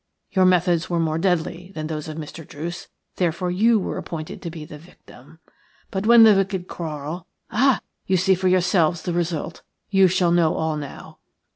Your methods were more deadly than those of Mr. Druce, therefore you were appointed to be the victim. But when the wicked quarrel – ah! you see for yourselves the result. You shall know all now.